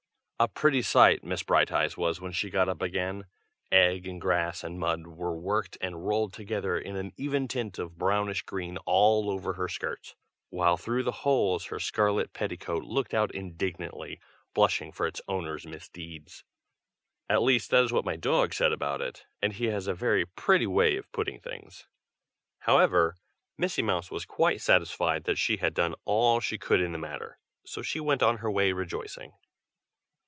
A pretty sight Miss Brighteyes was when she got up again. Egg and grass and mud were worked and rolled together into an even tint of brownish green, all over her skirts, while through the holes her scarlet petticoat looked out indignantly, blushing for its owner's misdeeds. At least, that is what my dog said about it, and he has a very pretty way of putting things. However, Missy Mouse was quite satisfied that she had done all she could in the matter, so she went on her way rejoicing.